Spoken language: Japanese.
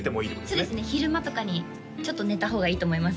そうですね昼間とかにちょっと寝た方がいいと思います